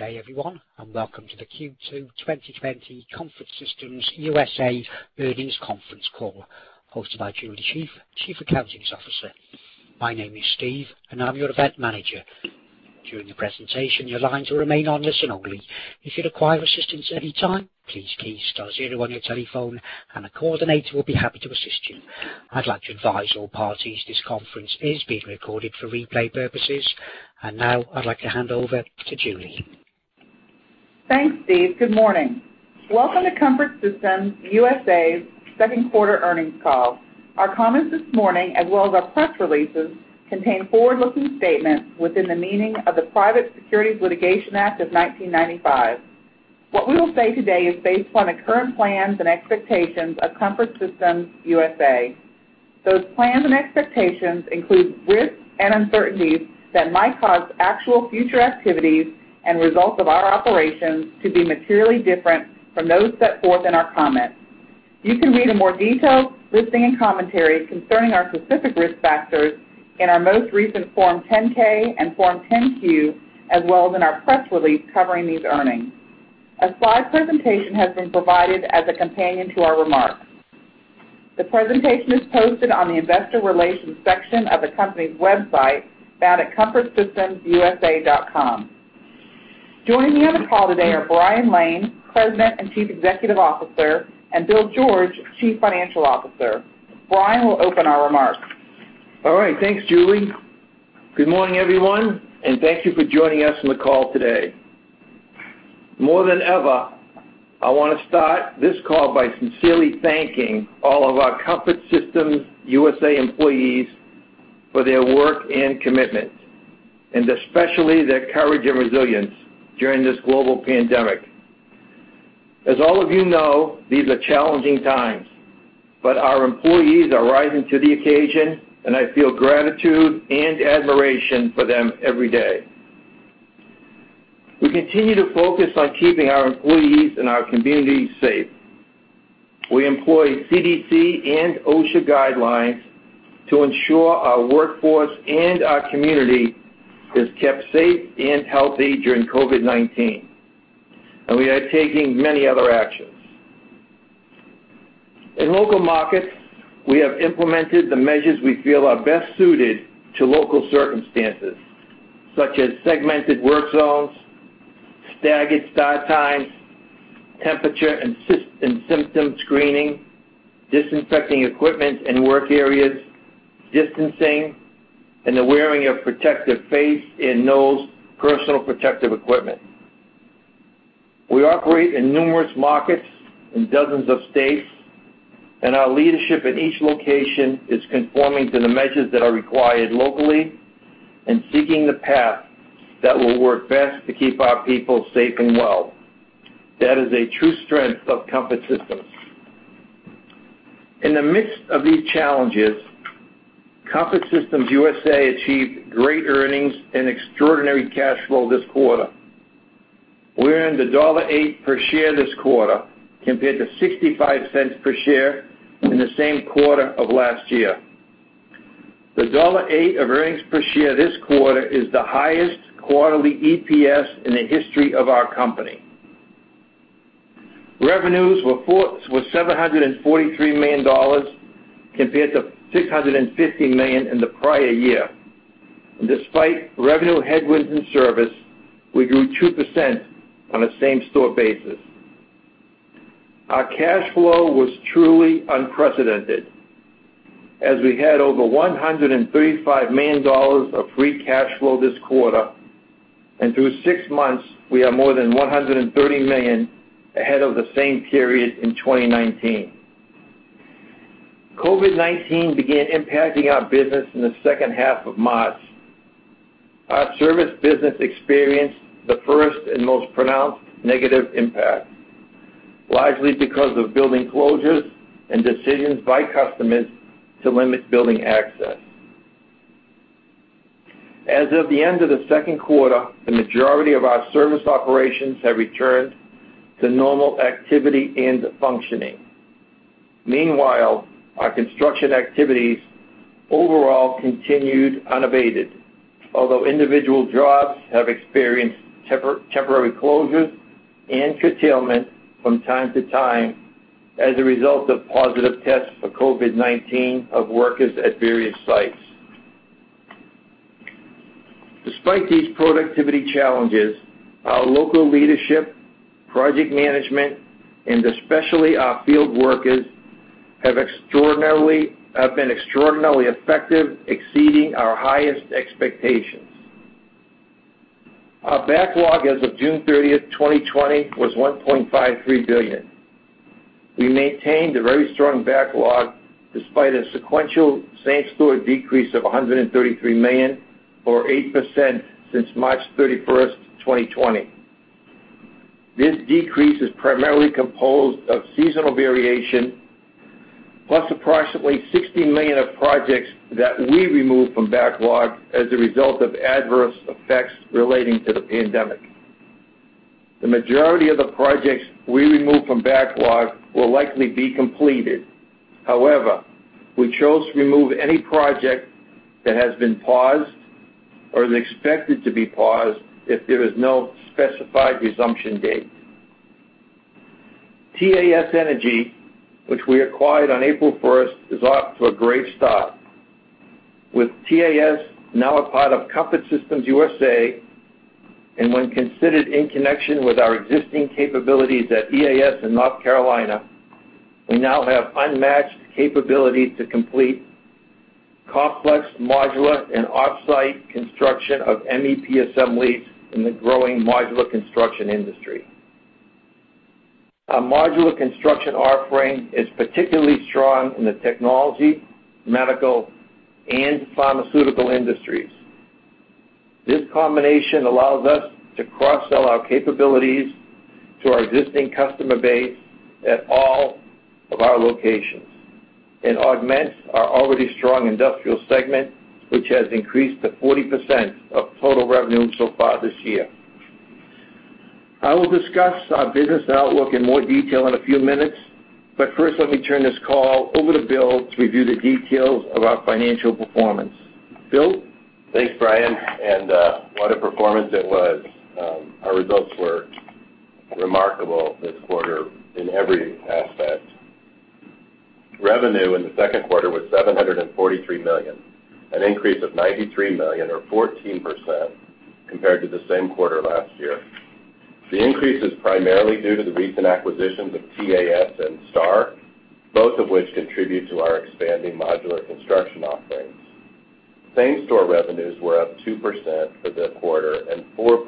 Good day, everyone, and welcome to the Q2 2020 Comfort Systems USA earnings conference call, hosted by Julie Shaeff, Chief Accounting Officer. My name is Steve, and I'm your event manager. During the presentation, your lines will remain listen-only mode. If you'd require assistance at any time, please dial zero on your telephone, and a coordinator will be happy to assist you. I'd like to advise all parties this conference is being recorded for replay purposes, and now I'd like to hand over to Julie. Thanks, Steve. Good morning. Welcome to Comfort Systems USA's second quarter earnings call. Our comments this morning, as well as our press releases, contain forward-looking statements within the meaning of the Private Securities Litigation Act of 1995. What we will say today is based upon the current plans and expectations of Comfort Systems USA. Those plans and expectations include risks and uncertainties that might cause actual future activities and results of our operations to be materially different from those set forth in our comments. You can read in more detail listing and commentary concerning our specific risk factors in our most recent Form 10-K and Form 10-Q, as well as in our press release covering these earnings. A slide presentation has been provided as a companion to our remarks. The presentation is posted on the Investor elations section of the company's website found at comfortsystemsusa.com. Joining me on the call today are Brian Lane, President and Chief Executive Officer, and Bill George, Chief Financial Officer. Brian will open our remarks. All right. Thanks, Julie. Good morning, everyone, and thank you for joining us on the call today. More than ever, I want to start this call by sincerely thanking all of our Comfort Systems USA employees for their work and commitment, and especially their courage and resilience during this global pandemic. As all of you know, these are challenging times, but our employees are rising to the occasion, and I feel gratitude and admiration for them every day. We continue to focus on keeping our employees and our community safe. We employ CDC and OSHA guidelines to ensure our workforce and our community is kept safe and healthy during COVID-19, and we are taking many other actions. In local markets, we have implemented the measures we feel are best suited to local circumstances, such as segmented work zones, staggered start times, temperature and symptom screening, disinfecting equipment in work areas, distancing, and the wearing of protective face and nose personal protective equipment. We operate in numerous markets in dozens of states, and our leadership in each location is conforming to the measures that are required locally and seeking the path that will work best to keep our people safe and well. That is a true strength of Comfort Systems USA. In the midst of these challenges, Comfort Systems USA achieved great earnings and extraordinary cash flow this quarter. We earned $1.08 per share this quarter compared to $0.65 per share in the same quarter of last year. The $1.08 of earnings per share this quarter is the highest quarterly EPS in the history of our company. Revenues were $743 million compared to $650 million in the prior year. Despite revenue headwinds in service, we grew 2% on a same-store basis. Our cash flow was truly unprecedented, as we had over $135 million of free cash flow this quarter, and through six months, we are more than $130 million ahead of the same period in 2019. COVID-19 began impacting our business in the second half of March. Our service business experienced the first and most pronounced negative impact, largely because of building closures and decisions by customers to limit building access. As of the end of the second quarter, the majority of our service operations have returned to normal activity and functioning. Meanwhile, our construction activities overall continued unabated, although individual jobs have experienced temporary closures and curtailment from time to time as a result of positive tests for COVID-19 of workers at various sites. Despite these productivity challenges, our local leadership, project management, and especially our field workers have been extraordinarily effective, exceeding our highest expectations. Our backlog as of June 30th, 2020, was $1.53 billion. We maintained a very strong backlog despite a sequential same-store decrease of $133 million, or 8%, since March 31st, 2020. This decrease is primarily composed of seasonal variation, plus approximately $60 million of projects that we removed from backlog as a result of adverse effects relating to the pandemic. The majority of the projects we removed from backlog will likely be completed. However, we chose to remove any project that has been paused or is expected to be paused if there is no specified resumption date. TAS Energy, which we acquired on April 1st, is off to a great start. With TAS now a part of Comfort Systems USA, and when considered in connection with our existing capabilities at EAS in North Carolina, we now have unmatched capability to complete complex modular and off-site construction of MEP assemblies in the growing modular construction industry. Our modular construction offering is particularly strong in the technology, medical, and pharmaceutical industries. This combination allows us to cross-sell our capabilities to our existing customer base at all of our locations and augments our already strong industrial segment, which has increased to 40% of total revenue so far this year. I will discuss our business outlook in more detail in a few minutes, but first, let me turn this call over to Bill to review the details of our financial performance. Bill? Thanks, Brian. What a performance it was. Our results were remarkable this quarter in every aspect. Revenue in the second quarter was $743 million, an increase of $93 million, or 14%, compared to the same quarter last year. The increase is primarily due to the recent acquisitions of TAS and Starr, both of which contribute to our expanding modular construction offerings. Same-store revenues were up 2% for the quarter and 4% for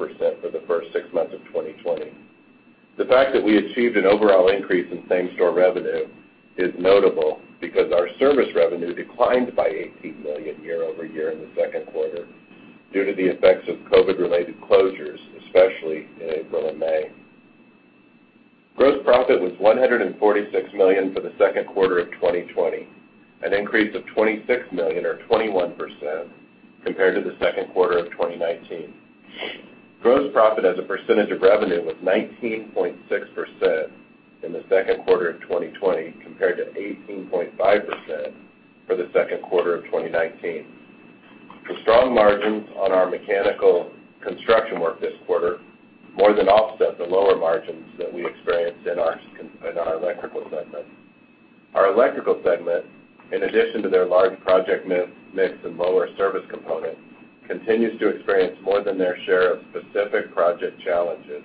the first six months of 2020. The fact that we achieved an overall increase in same-store revenue is notable because our service revenue declined by $18 million year-over-year in the second quarter due to the effects of COVID-related closures, especially in April and May. Gross profit was $146 million for the second quarter of 2020, an increase of $26 million, or 21%, compared to the second quarter of 2019. Gross profit as a percentage of revenue was 19.6% in the second quarter of 2020, compared to 18.5% for the second quarter of 2019. The strong margins on our mechanical construction work this quarter more than offset the lower margins that we experienced in our electrical segment. Our electrical segment, in addition to their large project mix and lower service component, continues to experience more than their share of specific project challenges,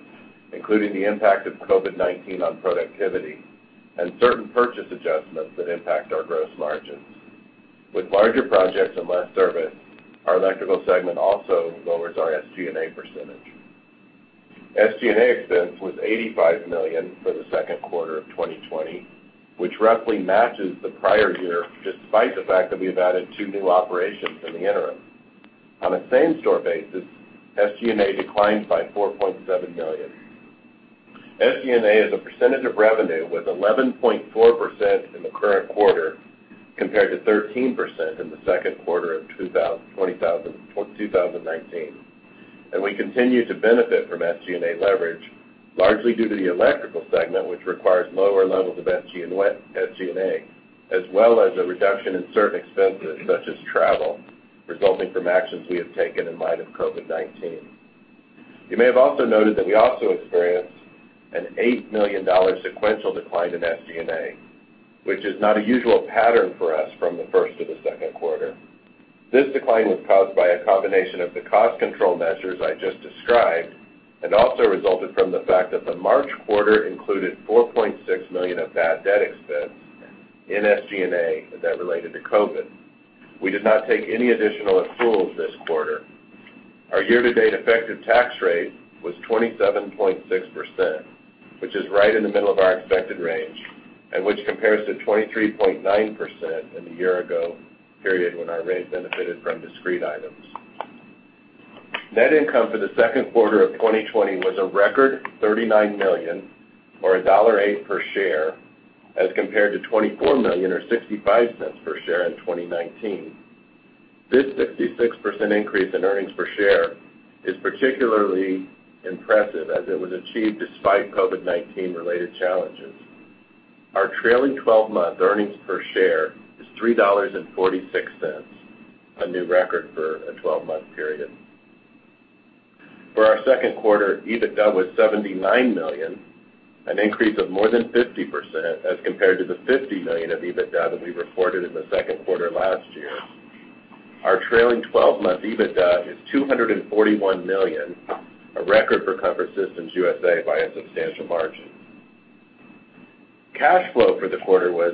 including the impact of COVID-19 on productivity and certain purchase adjustments that impact our gross margins. With larger projects and less service, our electrical segment also lowers our SG&A percentage. SG&A expense was $85 million for the second quarter of 2020, which roughly matches the prior year despite the fact that we have added two new operations in the interim. On a same-store basis, SG&A declined by $4.7 million. SG&A as a percentage of revenue was 11.4% in the current quarter compared to 13% in the second quarter of 2019. We continue to benefit from SG&A leverage, largely due to the electrical segment, which requires lower levels of SG&A, as well as a reduction in certain expenses such as travel resulting from actions we have taken in light of COVID-19. You may have also noted that we also experienced an $8 million sequential decline in SG&A, which is not a usual pattern for us from the first to the second quarter. This decline was caused by a combination of the cost control measures I just described and also resulted from the fact that the March quarter included $4.6 million of bad debt expense in SG&A that related to COVID. We did not take any additional accruals this quarter. Our year-to-date effective tax rate was 27.6%, which is right in the middle of our expected range and which compares to 23.9% in the year ago period when our rate benefited from discrete items. Net income for the second quarter of 2020 was a record $39 million, or $1.08 per share, as compared to $24 million, or 65 cents per share in 2019. This 66% increase in earnings per share is particularly impressive as it was achieved despite COVID-19-related challenges. Our trailing 12-month earnings per share is $3.46, a new record for a 12-month period. For our second quarter, EBITDA was $79 million, an increase of more than 50% as compared to the $50 million of EBITDA that we reported in the second quarter last year. Our trailing 12-month EBITDA is $241 million, a record for Comfort Systems USA by a substantial margin. Cash flow for the quarter was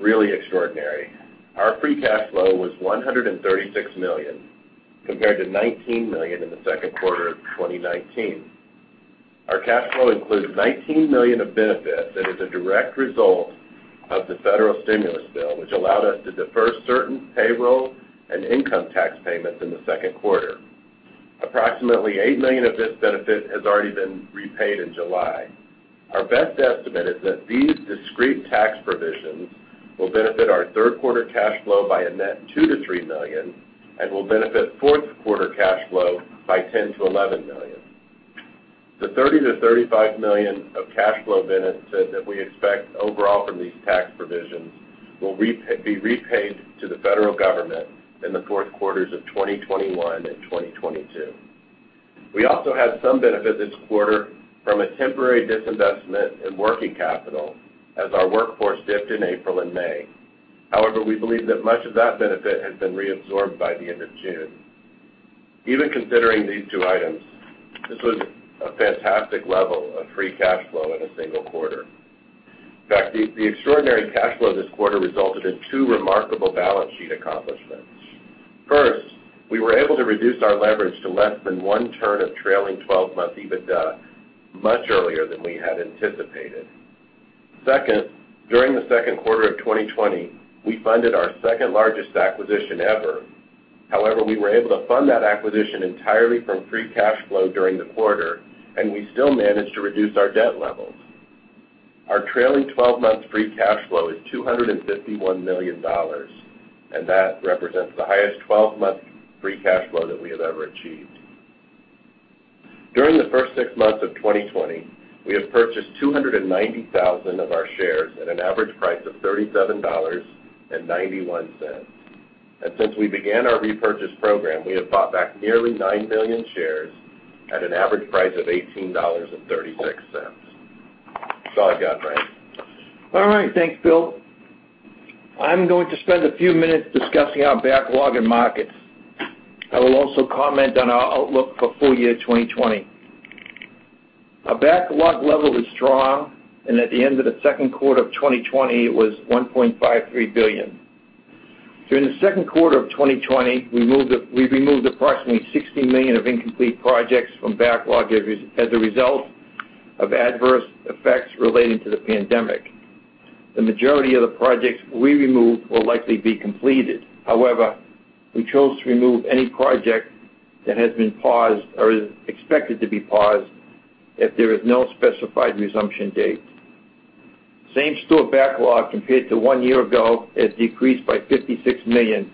really extraordinary. Our free cash flow was $136 million compared to $19 million in the second quarter of 2019. Our cash flow includes $19 million of benefits that is a direct result of the federal stimulus bill, which allowed us to defer certain payroll and income tax payments in the second quarter. Approximately $8 million of this benefit has already been repaid in July. Our best estimate is that these discrete tax provisions will benefit our third-quarter cash flow by a net $2-$3 million and will benefit fourth-quarter cash flow by $10-$11 million. The $30-$35 million of cash flow benefit that we expect overall from these tax provisions will be repaid to the federal government in the fourth quarters of 2021 and 2022. We also had some benefit this quarter from a temporary disinvestment in working capital as our workforce dipped in April and May. However, we believe that much of that benefit has been reabsorbed by the end of June. Even considering these two items, this was a fantastic level of free cash flow in a single quarter. In fact, the extraordinary cash flow this quarter resulted in two remarkable balance sheet accomplishments. First, we were able to reduce our leverage to less than one turn of trailing 12-month EBITDA much earlier than we had anticipated. Second, during the second quarter of 2020, we funded our second-largest acquisition ever. However, we were able to fund that acquisition entirely from free cash flow during the quarter, and we still managed to reduce our debt levels. Our trailing 12-month free cash flow is $251 million, and that represents the highest 12-month free cash flow that we have ever achieved. During the first six months of 2020, we have purchased $290,000 of our shares at an average price of $37.91. Since we began our repurchase program, we have bought back nearly 9 million shares at an average price of $18.36. That's all I've got, Brian. All right. Thanks, Bill. I'm going to spend a few minutes discussing our backlog and markets. I will also comment on our outlook for full year 2020. Our backlog level was strong, and at the end of the second quarter of 2020, it was $1.53 billion. During the second quarter of 2020, we removed approximately $60 million of incomplete projects from backlog as a result of adverse effects relating to the pandemic. The majority of the projects we removed will likely be completed. However, we chose to remove any project that has been paused or is expected to be paused if there is no specified resumption date. Same-store backlog compared to one year ago has decreased by $56 million,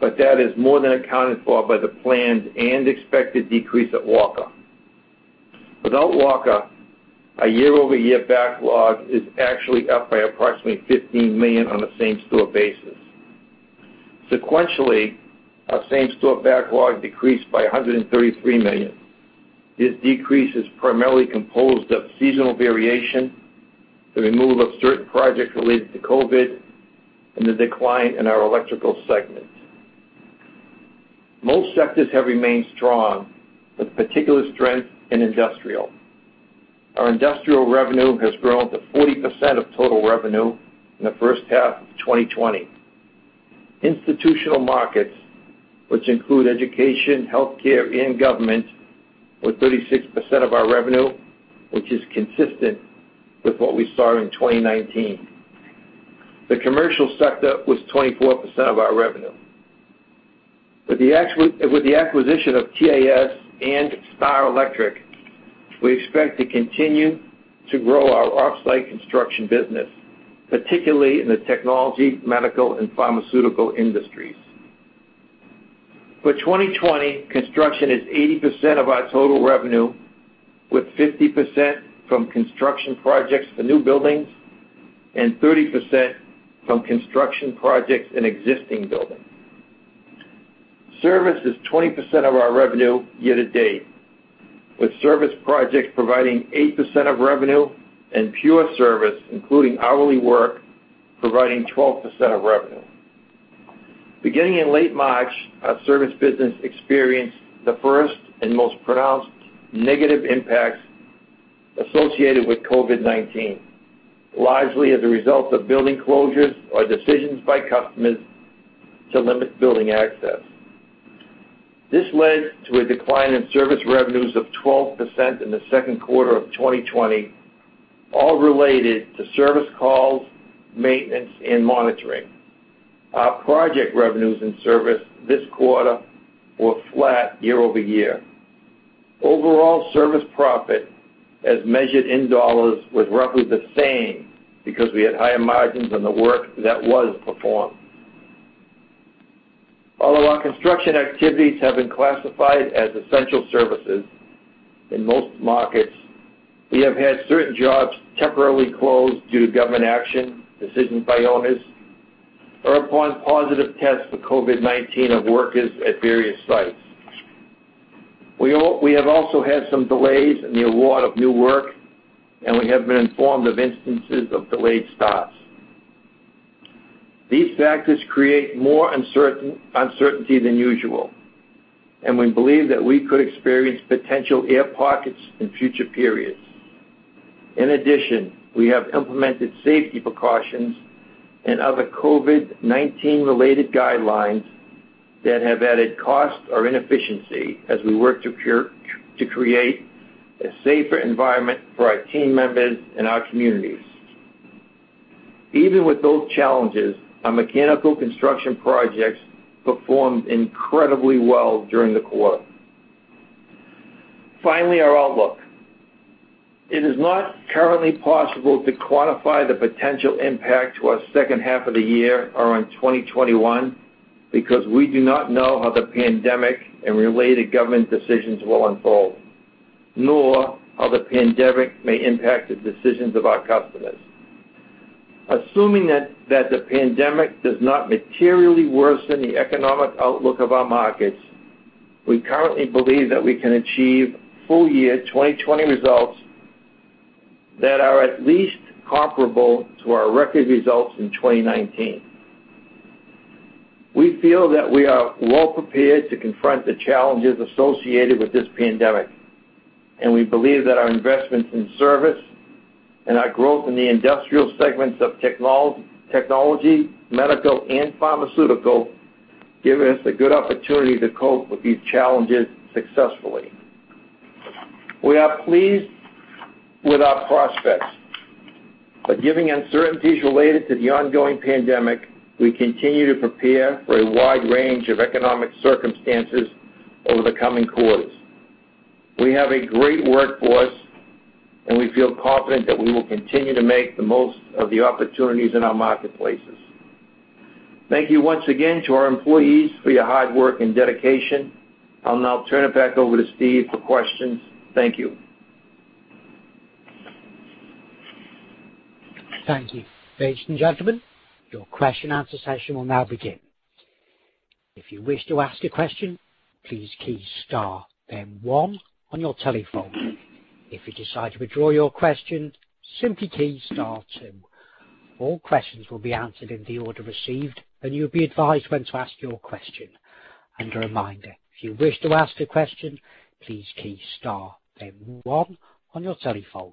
but that is more than accounted for by the planned and expected decrease at Walker. Without Walker, our year-over-year backlog is actually up by approximately $15 million on a same-store basis. Sequentially, our same-store backlog decreased by $133 million. This decrease is primarily composed of seasonal variation, the removal of certain projects related to COVID, and the decline in our electrical segment. Most sectors have remained strong, with particular strength in industrial. Our industrial revenue has grown to 40% of total revenue in the first half of 2020. Institutional markets, which include education, healthcare, and government, were 36% of our revenue, which is consistent with what we saw in 2019. The commercial sector was 24% of our revenue. With the acquisition of TAS and Starr Electric, we expect to continue to grow our off-site construction business, particularly in the technology, medical, and pharmaceutical industries. For 2020, construction is 80% of our total revenue, with 50% from construction projects for new buildings and 30% from construction projects in existing buildings. Service is 20% of our revenue year-to-date, with service projects providing 8% of revenue, and pure service, including hourly work, providing 12% of revenue. Beginning in late March, our service business experienced the first and most pronounced negative impacts associated with COVID-19, largely as a result of building closures or decisions by customers to limit building access. This led to a decline in service revenues of 12% in the second quarter of 2020, all related to service calls, maintenance, and monitoring. Our project revenues in service this quarter were flat year-over-year. Overall service profit, as measured in dollars, was roughly the same because we had higher margins on the work that was performed. Although our construction activities have been classified as essential services in most markets, we have had certain jobs temporarily closed due to government action, decisions by owners, or upon positive tests for COVID-19 of workers at various sites. We have also had some delays in the award of new work, and we have been informed of instances of delayed starts. These factors create more uncertainty than usual, and we believe that we could experience potential air pockets in future periods. In addition, we have implemented safety precautions and other COVID-19-related guidelines that have added cost or inefficiency as we work to create a safer environment for our team members and our communities. Even with those challenges, our mechanical construction projects performed incredibly well during the quarter. Finally, our outlook. It is not currently possible to quantify the potential impact to our second half of the year or in 2021 because we do not know how the pandemic and related government decisions will unfold, nor how the pandemic may impact the decisions of our customers. Assuming that the pandemic does not materially worsen the economic outlook of our markets, we currently believe that we can achieve full year 2020 results that are at least comparable to our record results in 2019. We feel that we are well prepared to confront the challenges associated with this pandemic, and we believe that our investments in service and our growth in the industrial segments of technology, medical, and pharmaceutical give us a good opportunity to cope with these challenges successfully. We are pleased with our prospects, but given uncertainties related to the ongoing pandemic, we continue to prepare for a wide range of economic circumstances over the coming quarters. We have a great workforce, and we feel confident that we will continue to make the most of the opportunities in our marketplaces. Thank you once again to our employees for your hard work and dedication. I'll now turn it back over to Steve for questions. Thank you. Ladies and gentlemen, your question-answer session will now begin. If you wish to ask a question, please key star, then one on your telephone. If you decide to withdraw your question, simply key star, two. All questions will be answered in the order received, and you'll be advised when to ask your question. A reminder, if you wish to ask a question, please key star, then one on your telephone.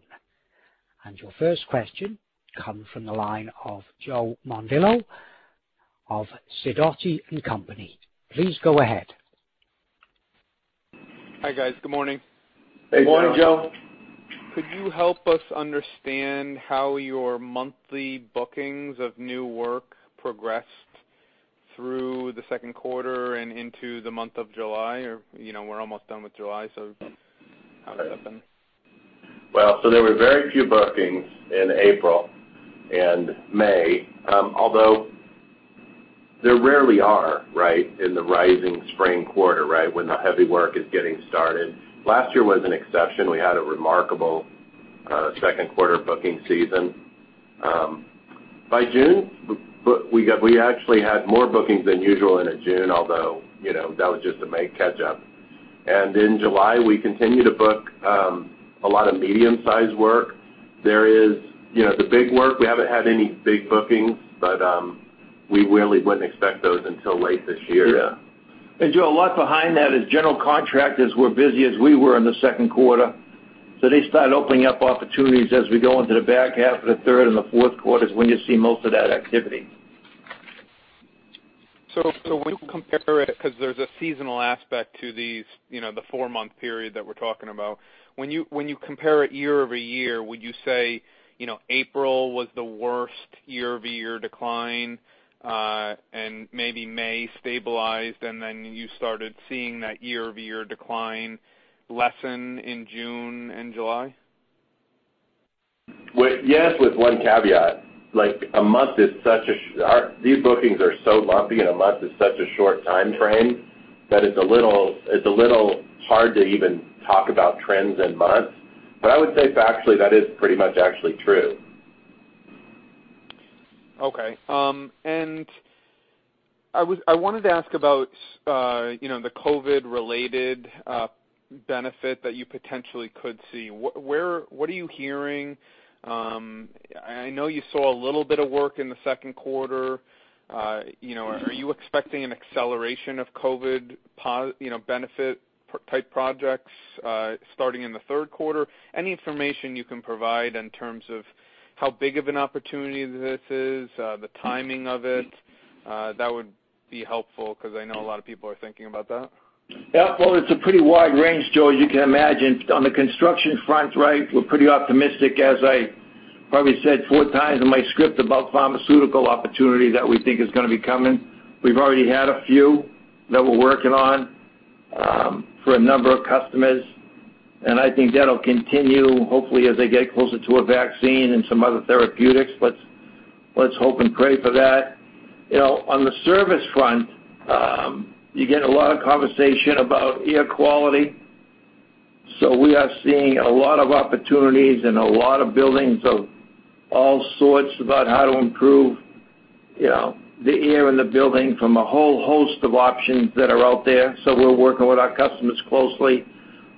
Your first question comes from the line of Joe Mondillo of Sidoti & Company. Please go ahead. Hi guys. Good morning. Hey, good morning. Morning, Joe. Could you help us understand how your monthly bookings of new work progressed through the second quarter and into the month of July? We're almost done with July, so how has that been? There were very few bookings in April and May, although there rarely are, right, in the rising spring quarter, right, when the heavy work is getting started. Last year was an exception. We had a remarkable second quarter booking season. By June, we actually had more bookings than usual in June, although that was just to make catch-up. In July, we continued to book a lot of medium-sized work. There is the big work, we haven't had any big bookings, but we really wouldn't expect those until late this year. Yeah. Joe, a lot behind that is general contractors were busy as we were in the second quarter, so they started opening up opportunities as we go into the back half of the third and the fourth quarter is when you see most of that activity. When you compare it, because there's a seasonal aspect to the four-month period that we're talking about, when you compare it year-over-year, would you say April was the worst year-over-year decline and maybe May stabilized, and then you started seeing that year-over-year decline lessen in June and July? Yes, with one caveat. A month is such a—these bookings are so lumpy, and a month is such a short time frame that it's a little hard to even talk about trends in months. I would say factually that is pretty much actually true. Okay. I wanted to ask about the COVID-related benefit that you potentially could see. What are you hearing? I know you saw a little bit of work in the second quarter. Are you expecting an acceleration of COVID benefit-type projects starting in the third quarter? Any information you can provide in terms of how big of an opportunity this is, the timing of it? That would be helpful because I know a lot of people are thinking about that. Yeah. It is a pretty wide range, Joe, as you can imagine. On the construction front, right, we are pretty optimistic, as I probably said four times in my script about pharmaceutical opportunity that we think is going to be coming. We have already had a few that we are working on for a number of customers, and I think that will continue, hopefully, as they get closer to a vaccine and some other therapeutics. Let's hope and pray for that. On the service front, you get a lot of conversation about air quality, so we are seeing a lot of opportunities and a lot of buildings of all sorts about how to improve the air in the building from a whole host of options that are out there. We are working with our customers closely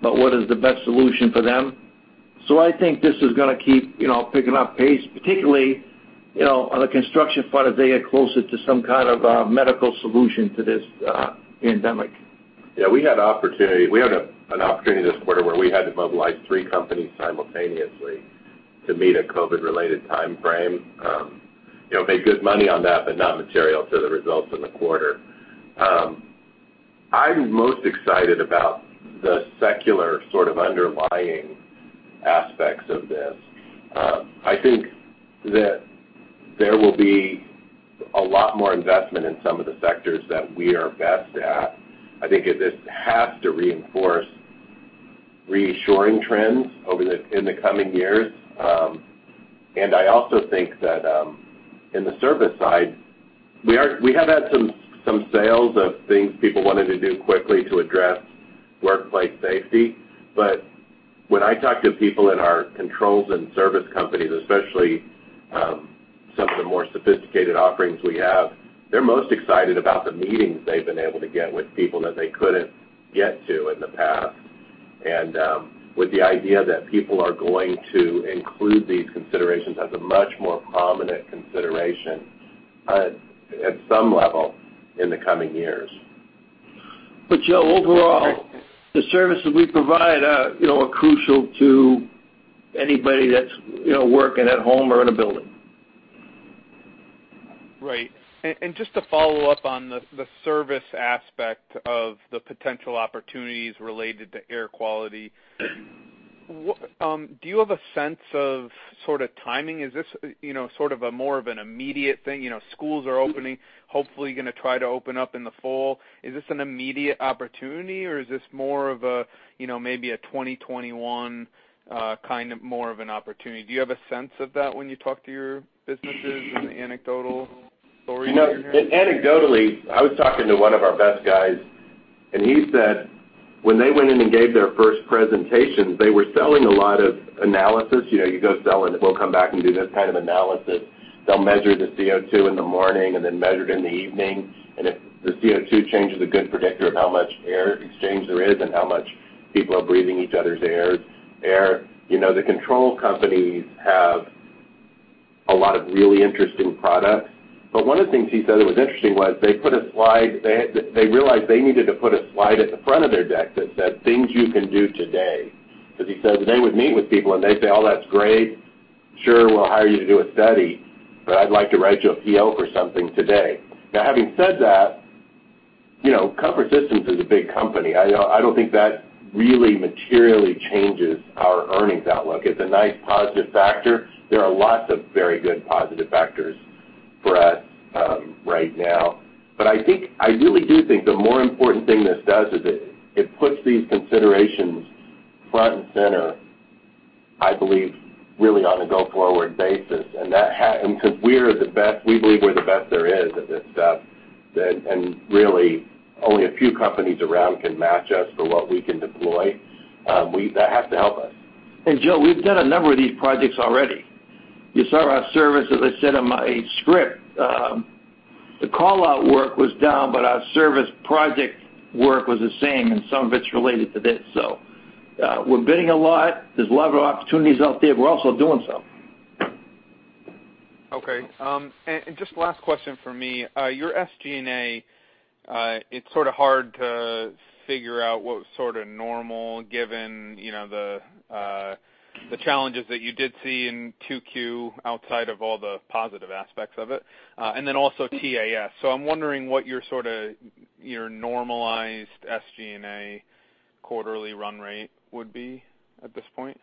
about what is the best solution for them. I think this is going to keep picking up pace, particularly on the construction front as they get closer to some kind of medical solution to this pandemic. Yeah. We had an opportunity this quarter where we had to mobilize three companies simultaneously to meet a COVID-related time frame. Made good money on that, but not material to the results in the quarter. I'm most excited about the secular sort of underlying aspects of this. I think that there will be a lot more investment in some of the sectors that we are best at. I think this has to reinforce reshoring trends in the coming years. I also think that in the service side, we have had some sales of things people wanted to do quickly to address workplace safety. When I talk to people in our controls and service companies, especially some of the more sophisticated offerings we have, they're most excited about the meetings they've been able to get with people that they couldn't get to in the past. With the idea that people are going to include these considerations as a much more prominent consideration at some level in the coming years. Joe, overall, the services we provide are crucial to anybody that's working at home or in a building. Right. Just to follow up on the service aspect of the potential opportunities related to air quality, do you have a sense of sort of timing? Is this sort of more of an immediate thing? Schools are opening, hopefully going to try to open up in the fall. Is this an immediate opportunity, or is this more of maybe a 2021 kind of more of an opportunity? Do you have a sense of that when you talk to your businesses and the anecdotal stories you hear? Anecdotally, I was talking to one of our best guys, and he said when they went in and gave their first presentations, they were selling a lot of analysis. You go sell and, "We'll come back and do this kind of analysis." They will measure the CO2 in the morning and then measure it in the evening. If the CO2 change is a good predictor of how much air exchange there is and how much people are breathing each other's air, the control companies have a lot of really interesting products. One of the things he said that was interesting was they put a slide; they realized they needed to put a slide at the front of their deck that said, "Things you can do today." He said they would meet with people and they'd say, "Oh, that's great. Sure, we'll hire you to do a study, but I'd like to write you a PO for something today. Now, having said that, Comfort Systems USA is a big company. I don't think that really materially changes our earnings outlook. It's a nice positive factor. There are lots of very good positive factors for us right now. I really do think the more important thing this does is it puts these considerations front and center, I believe, really on a go-forward basis. Because we're the best, we believe we're the best there is at this stuff. Really, only a few companies around can match us for what we can deploy. That has to help us. Joe, we've done a number of these projects already. You saw our service, as I said in my script. The callout work was down, but our service project work was the same, and some of it's related to this. We're bidding a lot. There's a lot of opportunities out there. We're also doing some. Okay. Just last question for me. Your SG&A, it's sort of hard to figure out what was sort of normal given the challenges that you did see in 2Q outside of all the positive aspects of it. Also TAS. I'm wondering what your sort of normalized SG&A quarterly run rate would be at this point.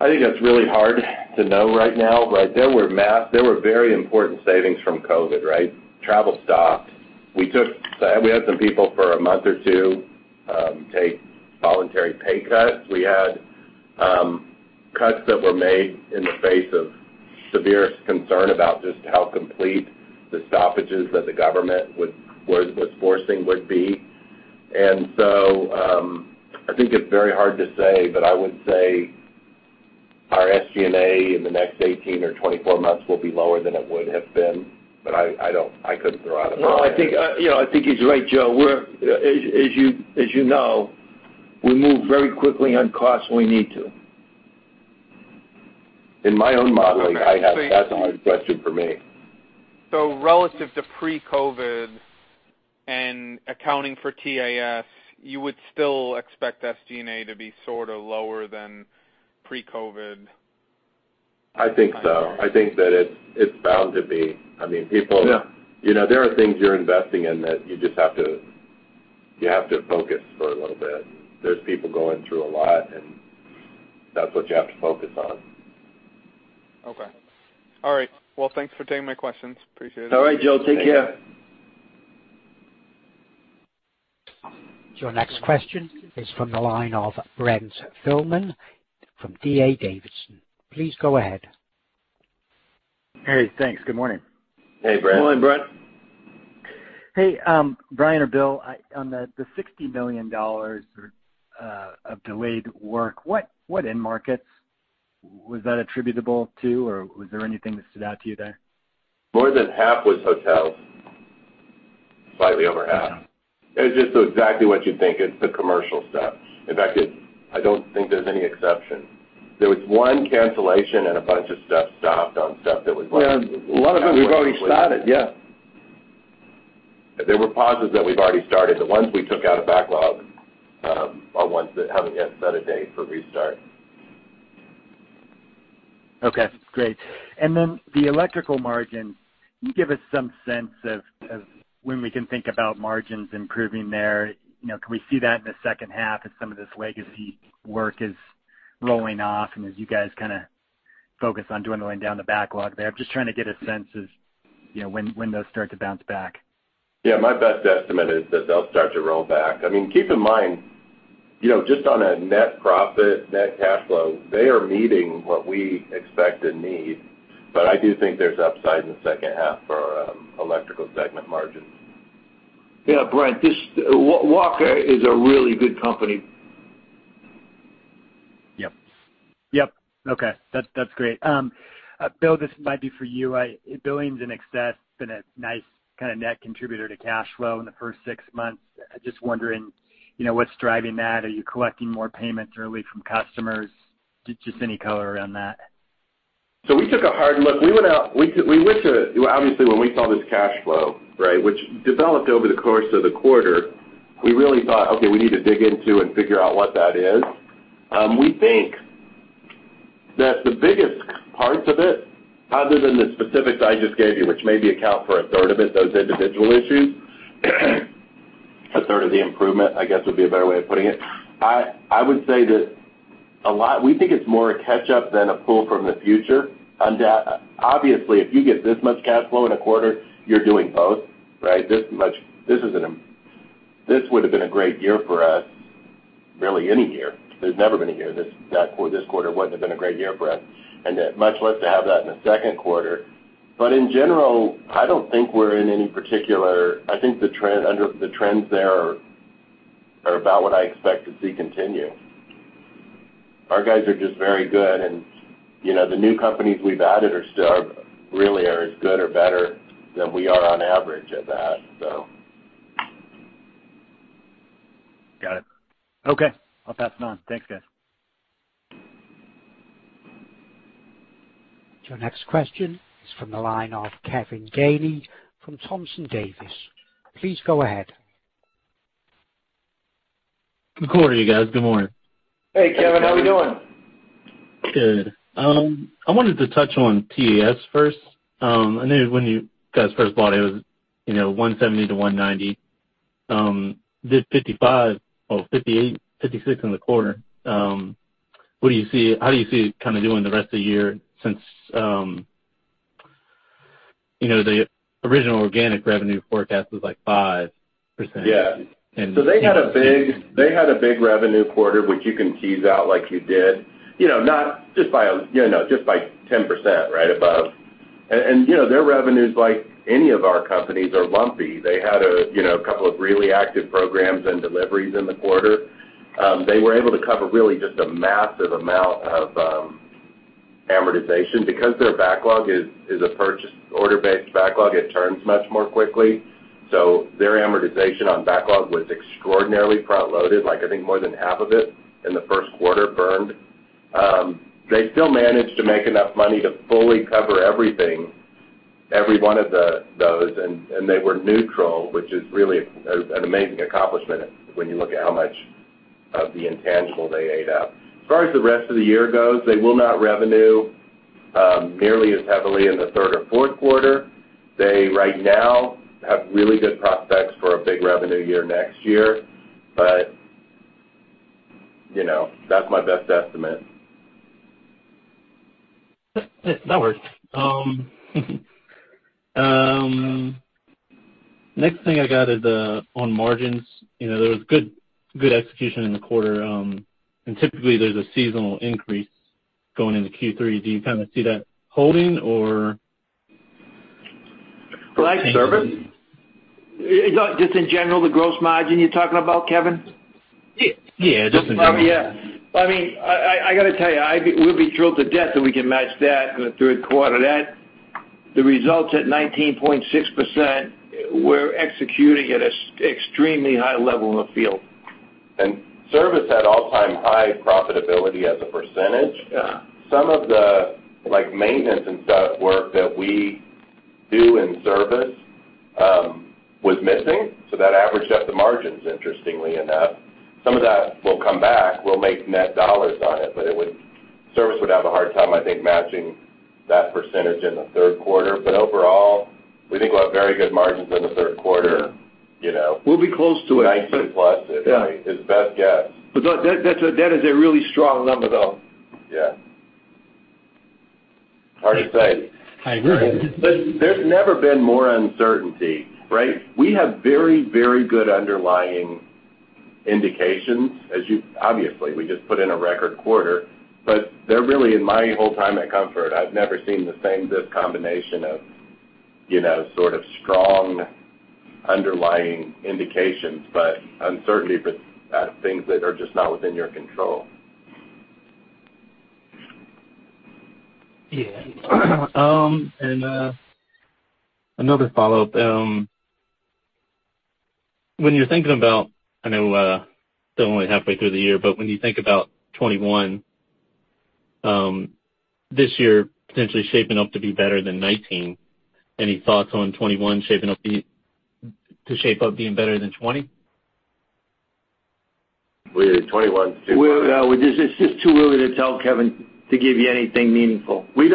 I think that's really hard to know right now. Right there, we're masked. There were very important savings from COVID, right? Travel stopped. We had some people for a month or two take voluntary pay cuts. We had cuts that were made in the face of severe concern about just how complete the stoppages that the government was forcing would be. I think it's very hard to say, but I would say our SG&A in the next 18 or 24 months will be lower than it would have been. I couldn't throw out a prospect. I think he's right, Joe. As you know, we move very quickly on costs when we need to. In my own modeling, that's a hard question for me. Relative to pre-COVID and accounting for TAS, you would still expect SG&A to be sort of lower than pre-COVID? I think so. I think that it's bound to be. I mean, people, there are things you're investing in that you just have to focus for a little bit. There's people going through a lot, and that's what you have to focus on. Okay. All right. Thanks for taking my questions. Appreciate it. All right, Joe. Take care. Your next question is from the line of Brent Thielman from D.A. Davidson. Please go ahead. Hey, thanks. Good morning. Hey, Brent. Morning, Brent. Hey, Brian or Bill, on the $60 million of delayed work, what end markets was that attributable to, or was there anything that stood out to you there? More than half was hotels. Slightly over half. It's just exactly what you think. It's the commercial stuff. In fact, I don't think there's any exception. There was one cancellation and a bunch of stuff stopped on stuff that was running. Yeah, a lot of them we've already started. Yeah. There were pauses that we've already started. The ones we took out of backlog are ones that haven't yet set a date for restart. Okay. Great. Can you give us some sense of when we can think about margins improving there? Can we see that in the second half as some of this legacy work is rolling off and as you guys kind of focus on dwindling down the backlog there? I'm just trying to get a sense of when those start to bounce back. Yeah. My best estimate is that they'll start to roll back. I mean, keep in mind, just on a net profit, net cash flow, they are meeting what we expect and need, but I do think there's upside in the second half for electrical segment margins. Yeah. Brent, Walker is a really good company. Yep. Yep. Okay. That's great. Bill, this might be for you. Billings in excess has been a nice kind of net contributor to cash flow in the first six months. Just wondering what's driving that? Are you collecting more payments early from customers? Just any color around that. We took a hard look. We went out. We went to, obviously, when we saw this cash flow, right, which developed over the course of the quarter, we really thought, "Okay, we need to dig into and figure out what that is." We think that the biggest parts of it, other than the specifics I just gave you, which maybe account for a third of it, those individual issues, a third of the improvement, I guess, would be a better way of putting it. I would say that a lot, we think it is more a catch-up than a pull from the future. Obviously, if you get this much cash flow in a quarter, you are doing both, right? This would have been a great year for us, really any year. There has never been a year this quarter would not have been a great year for us. In general, I do not think we are in any particular, I think the trends there are about what I expect to see continue. Our guys are just very good, and the new companies we have added really are as good or better than we are on average at that, so. Got it. Okay. I'll pass it on. Thanks, guys. Your next question is from the line of Kevin Gainey from Thompson Davis. Please go ahead. Good morning, you guys. Good morning. Hey, Kevin. How are we doing? Good. I wanted to touch on TAS first. I know when you guys first bought it, it was $170 million-$190 million. Did $55 million, oh, $58 million, $56 million in the quarter. What do you see? How do you see it kind of doing the rest of the year since the original organic revenue forecast was like 5%? Yeah. They had a big revenue quarter, which you can tease out like you did, not just by, no, just by 10%, right, above. Their revenues, like any of our companies, are lumpy. They had a couple of really active programs and deliveries in the quarter. They were able to cover really just a massive amount of amortization. Because their backlog is a purchase order-based backlog, it turns much more quickly. Their amortization on backlog was extraordinarily front-loaded. I think more than half of it in the first quarter burned. They still managed to make enough money to fully cover everything, every one of those, and they were neutral, which is really an amazing accomplishment when you look at how much of the intangible they ate up. As far as the rest of the year goes, they will not revenue nearly as heavily in the third or fourth quarter. They, right now, have really good prospects for a big revenue year next year, but that's my best estimate. That works. Next thing I got is on margins. There was good execution in the quarter. Typically, there's a seasonal increase going into Q3. Do you kind of see that holding, or? Like service? Just in general, the gross margin you're talking about, Kevin? Yeah. Just in general. Yeah. I mean, I got to tell you, we'll be thrilled to death that we can match that in the third quarter. The results at 19.6% were executing at an extremely high level in the field. Service had all-time high profitability as a percentage. Some of the maintenance and stuff work that we do in service was missing. That averaged up the margins, interestingly enough. Some of that will come back. We'll make net dollars on it, but service would have a hard time, I think, matching that percentage in the third quarter. Overall, we think we'll have very good margins in the third quarter. We'll be close to it. Nineteen plus, is my best guess. That is a really strong number. Yeah. Hard to say. I agree. There's never been more uncertainty, right? We have very, very good underlying indications, obviously. We just put in a record quarter. Really, in my whole time at Comfort, I've never seen the same combination of sort of strong underlying indications, but uncertainty for things that are just not within your control. Yeah. Another follow-up. When you're thinking about, I know we're still only halfway through the year, but when you think about 2021, this year potentially shaping up to be better than 2019, any thoughts on 2021 shaping up to shape up being better than 2020? Wait, 2021's too much. It's just too early to tell Kevin to give you anything meaningful. We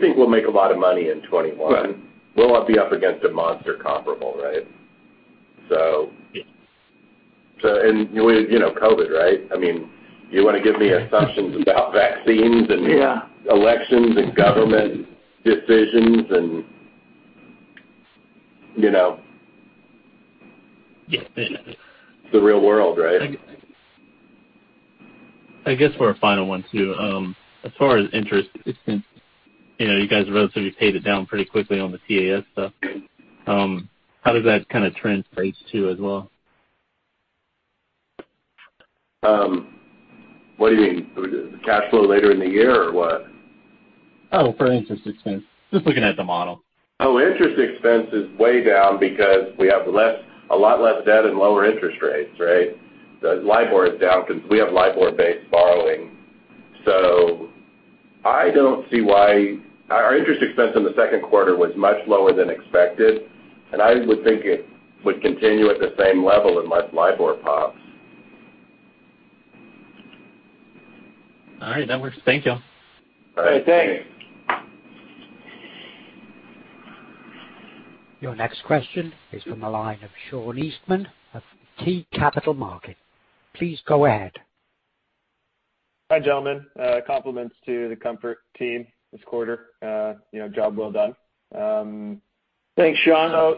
think we'll make a lot of money in 2021. We'll be up against a monster comparable, right? And COVID, right? I mean, you want to give me assumptions about vaccines and elections and government decisions. Yeah. The real world, right? I guess for a final one too. As far as interest, you guys relatively paid it down pretty quickly on the TAS stuff. How does that kind of translate to as well? What do you mean? Cash flow later in the year or what? Oh, for interest expense. Just looking at the model. Oh, interest expense is way down because we have a lot less debt and lower interest rates, right? The LIBOR is down because we have LIBOR-based borrowing. I don't see why our interest expense in the second quarter was much lower than expected. I would think it would continue at the same level unless LIBOR pops. All right. That works. Thank you. All right. Thanks. Your next question is from the line of Sean Eastman of KeyBanc Capital Markets. Please go ahead. Hi, gentlemen. Compliments to the Comfort team this quarter. Job well done. Thanks, Sean.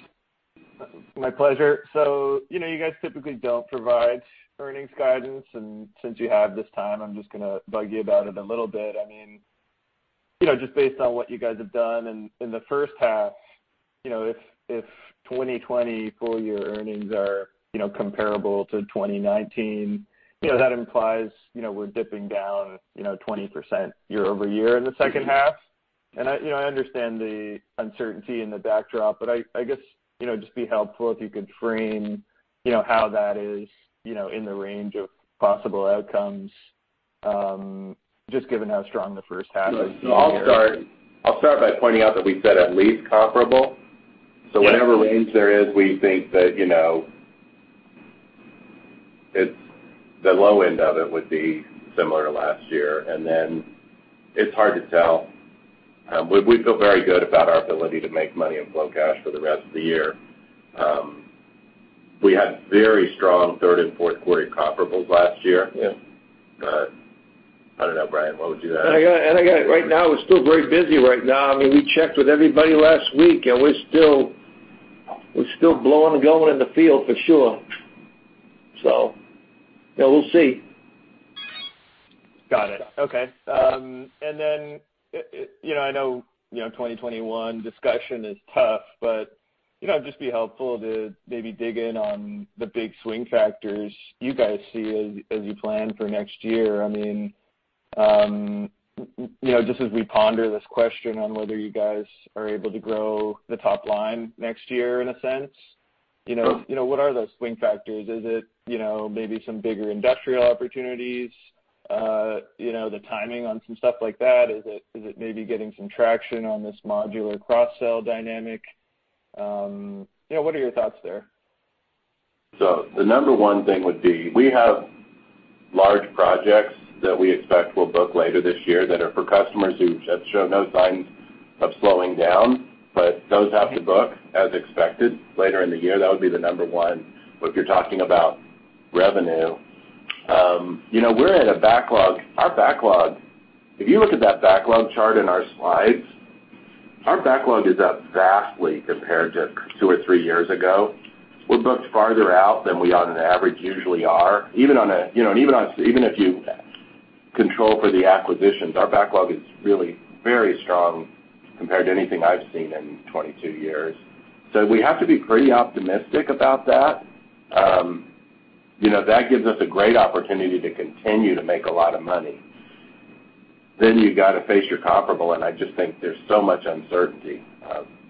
My pleasure. You guys typically do not provide earnings guidance. Since you have this time, I am just going to bug you about it a little bit. I mean, just based on what you guys have done in the first half, if 2020 full-year earnings are comparable to 2019, that implies we are dipping down 20% year-over-year in the second half. I understand the uncertainty in the backdrop, but I guess it would just be helpful if you could frame how that is in the range of possible outcomes, just given how strong the first half is. I'll start by pointing out that we said at least comparable. Whatever range there is, we think that the low end of it would be similar to last year. Then it's hard to tell. We feel very good about our ability to make money and flow cash for the rest of the year. We had very strong third and fourth quarter comparables last year. I don't know, Brian, what would you add? Right now, we're still very busy right now. I mean, we checked with everybody last week, and we're still blowing and going in the field for sure. We'll see. Got it. Okay. I know 2021 discussion is tough, but just be helpful to maybe dig in on the big swing factors you guys see as you plan for next year. I mean, just as we ponder this question on whether you guys are able to grow the top line next year in a sense, what are those swing factors? Is it maybe some bigger industrial opportunities? The timing on some stuff like that? Is it maybe getting some traction on this modular cross-sell dynamic? What are your thoughts there? The number one thing would be we have large projects that we expect will book later this year that are for customers who have shown no signs of slowing down, but those have to book as expected later in the year. That would be the number one if you're talking about revenue. We're at a backlog. If you look at that backlog chart in our slides, our backlog is up vastly compared to two or three years ago. We're booked farther out than we on average usually are. Even if you control for the acquisitions, our backlog is really very strong compared to anything I've seen in 22 years. We have to be pretty optimistic about that. That gives us a great opportunity to continue to make a lot of money. You got to face your comparable, and I just think there's so much uncertainty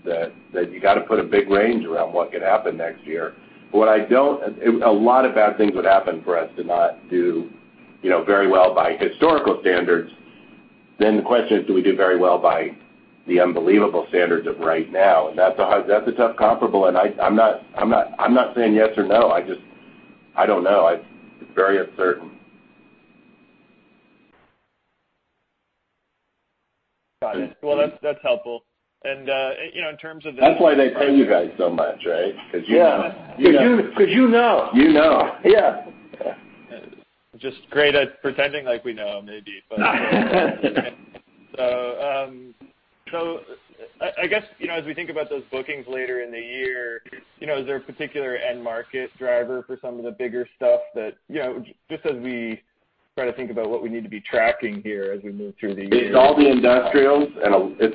that you got to put a big range around what could happen next year. What I don't, a lot of bad things would happen for us to not do very well by historical standards. The question is, do we do very well by the unbelievable standards of right now? That's a tough comparable. I'm not saying yes or no. I don't know. It's very uncertain. Got it. That is helpful. And in terms of the. That's why they pay you guys so much, right? Because you know. Because you know. You know. Yeah. Just great at pretending like we know maybe, but I guess as we think about those bookings later in the year, is there a particular end market driver for some of the bigger stuff that just as we try to think about what we need to be tracking here as we move through the year? It's all the industrials. It's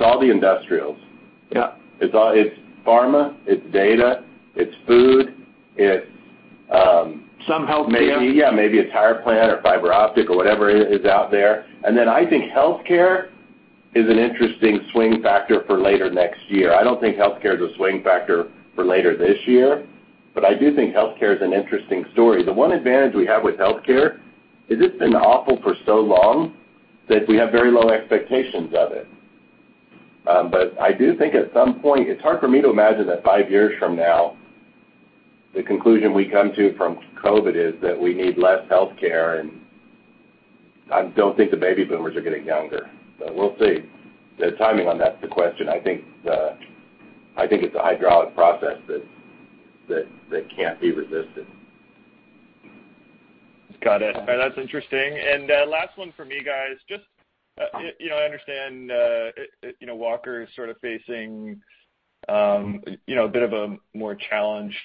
pharma. It's data. It's food. Some healthcare. Maybe. Yeah. Maybe a tire plant or fiber optic or whatever is out there. I think healthcare is an interesting swing factor for later next year. I do not think healthcare is a swing factor for later this year, but I do think healthcare is an interesting story. The one advantage we have with healthcare is it has been awful for so long that we have very low expectations of it. I do think at some point it is hard for me to imagine that five years from now, the conclusion we come to from COVID is that we need less healthcare. I do not think the baby boomers are getting younger, but we will see. The timing on that is the question. I think it is a hydraulic process that cannot be resisted. Got it. That's interesting. Last one for me, guys. I understand Walker is sort of facing a bit of a more challenged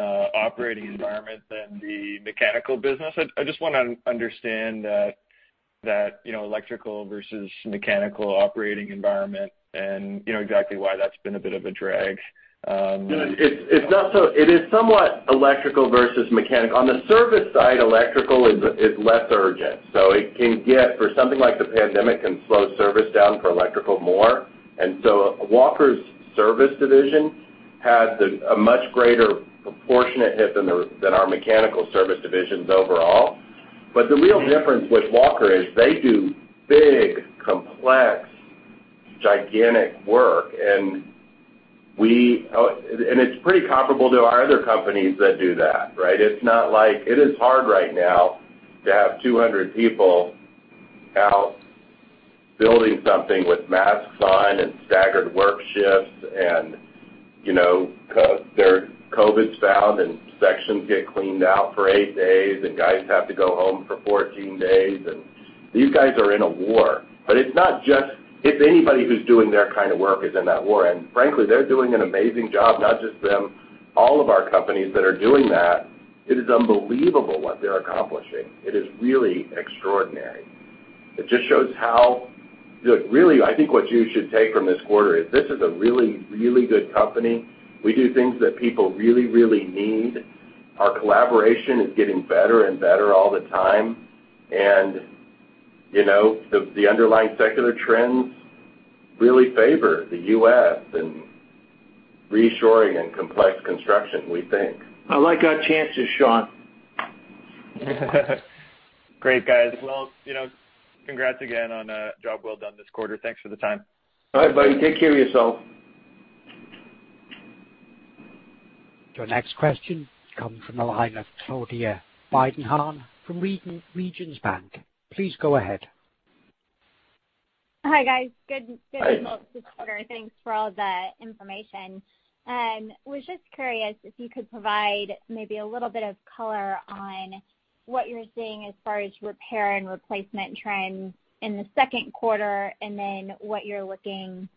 operating environment than the mechanical business. I just want to understand that electrical versus mechanical operating environment and exactly why that's been a bit of a drag. It's somewhat electrical versus mechanical. On the service side, electrical is less urgent. So it can get for something like the pandemic can slow service down for electrical more. Walker's service division had a much greater proportionate hit than our mechanical service divisions overall. The real difference with Walker is they do big, complex, gigantic work. It's pretty comparable to our other companies that do that, right? It is hard right now to have 200 people out building something with masks on and staggered work shifts. Their COVID's found and sections get cleaned out for eight days, and guys have to go home for 14 days. These guys are in a war. It's not just if anybody who's doing their kind of work is in that war. Frankly, they're doing an amazing job, not just them. All of our companies that are doing that, it is unbelievable what they're accomplishing. It is really extraordinary. It just shows how really I think what you should take from this quarter is this is a really, really good company. We do things that people really, really need. Our collaboration is getting better and better all the time. The underlying secular trends really favor the U.S. and reshoring and complex construction, we think. I like our chances, Sean. Great, guys. Congrats again on a job well done this quarter. Thanks for the time. All right, buddy. Take care of yourself. Your next question comes from the line of Claudia Biedenharn from Regions Bank. Please go ahead. Hi, guys. Good to talk to you. Thanks for all the information. I was just curious if you could provide maybe a little bit of color on what you're seeing as far as repair and replacement trends in the second quarter and then what you're looking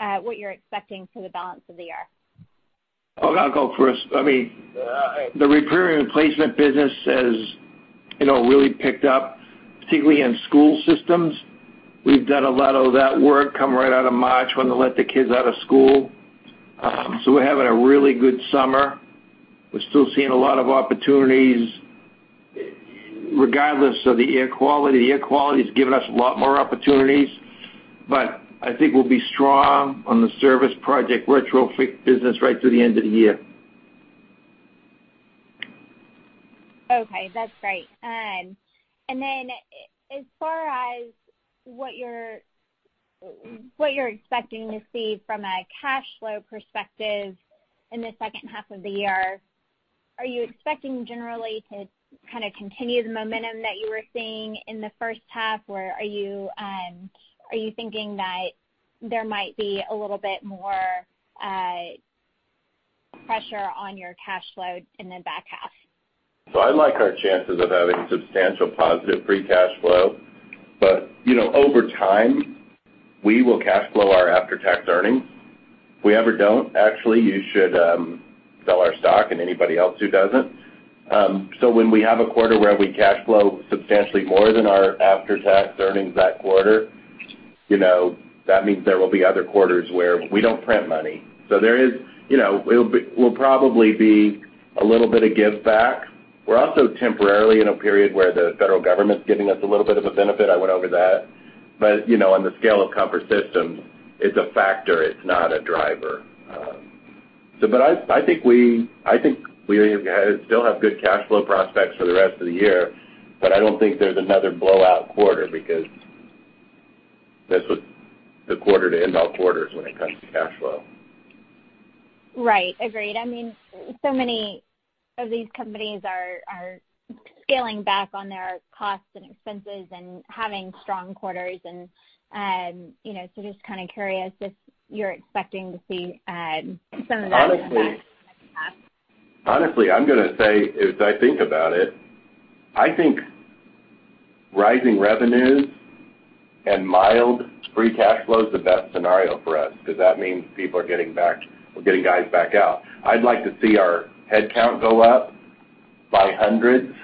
at, what you're expecting for the balance of the year. I'll go first. I mean, the repair and replacement business has really picked up, particularly in school systems. We've done a lot of that work come right out of March when they let the kids out of school. We're having a really good summer. We're still seeing a lot of opportunities regardless of the air quality. The air quality has given us a lot more opportunities. I think we'll be strong on the service project retrofit business right through the end of the year. Okay. That's great. As far as what you're expecting to see from a cash flow perspective in the second half of the year, are you expecting generally to kind of continue the momentum that you were seeing in the first half, or are you thinking that there might be a little bit more pressure on your cash flow in the back half? I like our chances of having substantial positive free cash flow. Over time, we will cash flow our after-tax earnings. If we ever do not, actually, you should sell our stock and anybody else who does not. When we have a quarter where we cash flow substantially more than our after-tax earnings that quarter, that means there will be other quarters where we do not print money. There will probably be a little bit of give back. We are also temporarily in a period where the federal government is giving us a little bit of a benefit. I went over that. On the scale of Comfort Systems USA, it is a factor. It is not a driver. I think we still have good cash flow prospects for the rest of the year. I do not think there is another blowout quarter because this was the quarter to end all quarters when it comes to cash flow. Right. Agreed. I mean, so many of these companies are scaling back on their costs and expenses and having strong quarters. Just kind of curious if you're expecting to see some of that. Honestly, I'm going to say as I think about it, I think rising revenues and mild free cash flow is the best scenario for us because that means people are getting back, we're getting guys back out. I'd like to see our headcount go up by hundreds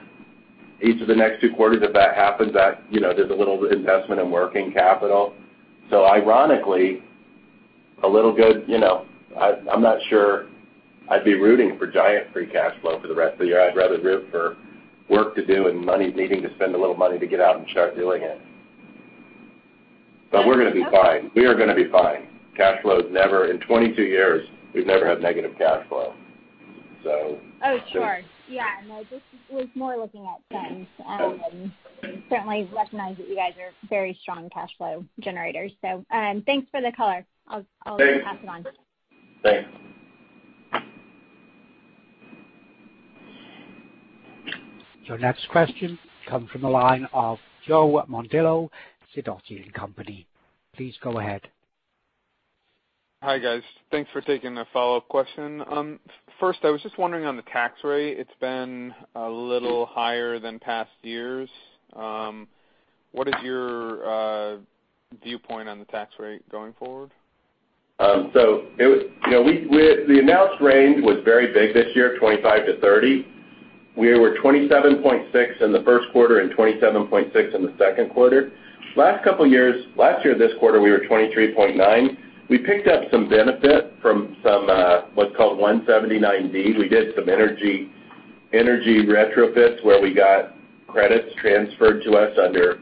each of the next two quarters. If that happens, there's a little investment in working capital. Ironically, a little good, I'm not sure I'd be rooting for giant free cash flow for the rest of the year. I'd rather root for work to do and money needing to spend a little money to get out and start doing it. We're going to be fine. We are going to be fine. Cash flow is never, in 22 years, we've never had negative cash flow. Oh, sure. Yeah. No, just was more looking at trends. And certainly recognize that you guys are very strong cash flow generators. So thanks for the color. I'll pass it on. Thanks. Your next question comes from the line of Joe Mondillo, Sidoti & Company. Please go ahead. Hi, guys. Thanks for taking the follow-up question. First, I was just wondering on the tax rate. It's been a little higher than past years. What is your viewpoint on the tax rate going forward? The announced range was very big this year, 25-30. We were 27.6 in the first quarter and 27.6 in the second quarter. Last couple of years, last year this quarter, we were 23.9. We picked up some benefit from some what's called 179D. We did some energy retrofits where we got credits transferred to us under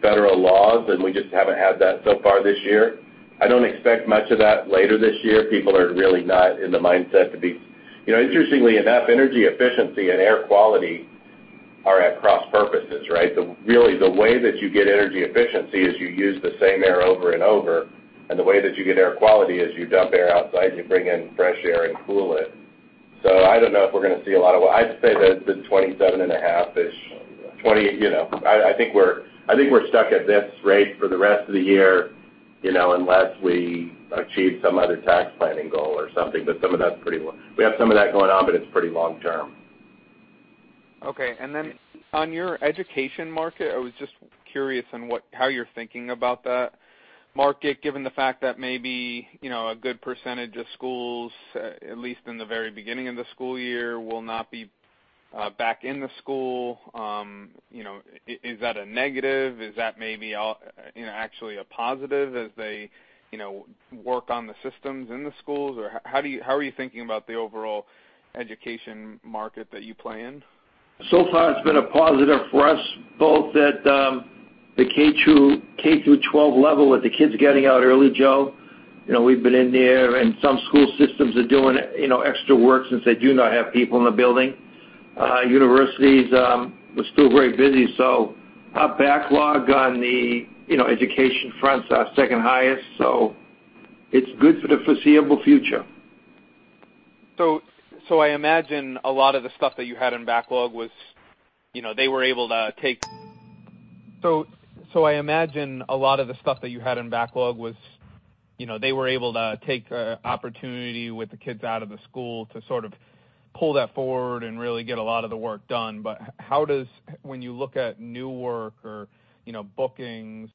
federal laws, and we just haven't had that so far this year. I don't expect much of that later this year. People are really not in the mindset to be, interestingly enough, energy efficiency and air quality are at cross purposes, right? Really, the way that you get energy efficiency is you use the same air over and over. The way that you get air quality is you dump air outside, you bring in fresh air and cool it. I don't know if we're going to see a lot of, I'd say that the 27.5-ish, I think we're stuck at this rate for the rest of the year unless we achieve some other tax planning goal or something. Some of that's pretty, we have some of that going on, but it's pretty long-term. Okay. On your education market, I was just curious on how you're thinking about that market given the fact that maybe a good percentage of schools, at least in the very beginning of the school year, will not be back in the school. Is that a negative? Is that maybe actually a positive as they work on the systems in the schools? How are you thinking about the overall education market that you play in? It has been a positive for us, both at the K-12 level with the kids getting out early, Joe. We have been in there, and some school systems are doing extra work since they do not have people in the building. Universities were still very busy. Our backlog on the education front is our second highest. It is good for the foreseeable future. I imagine a lot of the stuff that you had in backlog was they were able to take an opportunity with the kids out of the school to sort of pull that forward and really get a lot of the work done. When you look at new work or bookings,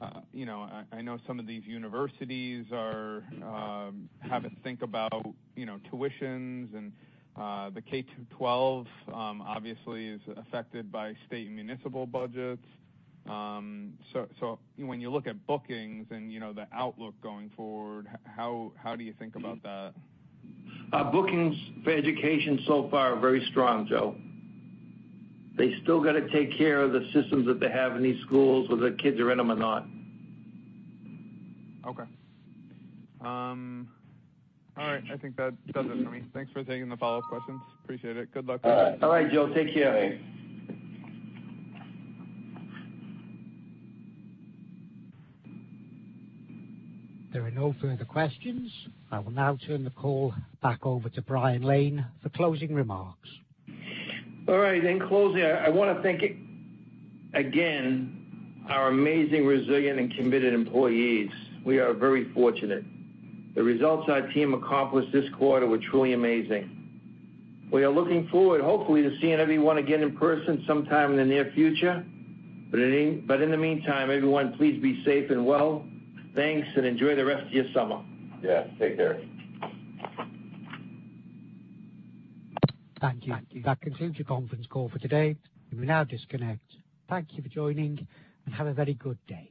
I know some of these universities have to think about tuitions. The K-12 obviously is affected by state and municipal budgets. When you look at bookings and the outlook going forward, how do you think about that? Our bookings for education so far are very strong, Joe. They still got to take care of the systems that they have in these schools, whether the kids are in them or not. Okay. All right. I think that does it for me. Thanks for taking the follow-up questions. Appreciate it. Good luck. All right, Joe. Take care. There are no further questions. I will now turn the call back over to Brian Lane for closing remarks. All right. In closing, I want to thank again our amazing, resilient, and committed employees. We are very fortunate. The results our team accomplished this quarter were truly amazing. We are looking forward, hopefully, to seeing everyone again in person sometime in the near future. In the meantime, everyone, please be safe and well. Thanks, and enjoy the rest of your summer. Yeah. Take care. Thank you. That concludes your conference call for today. We now disconnect. Thank you for joining, and have a very good day.